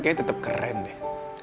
keknya tetep keren deh